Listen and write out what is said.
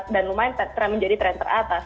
dan lumayan menjadi trend teratas